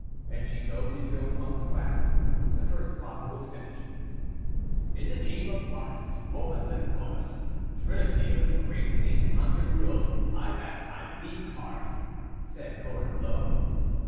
And Chicot refilled the monk's glass. The first bottle was finished. "In the name of Bacchus, Momus, and Comus, trinity of the great saint Pantagruel, I baptize thee, carp," said Gorenflot.